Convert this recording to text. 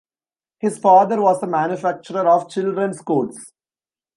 His father was a manufacturer of children's coats.